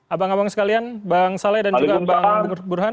abang abang sekalian bang saleh dan juga bang burhan